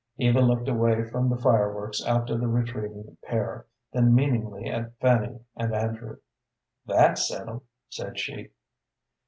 Eva looked away from the fireworks after the retreating pair, then meaningly at Fanny and Andrew. "That's settled," said she.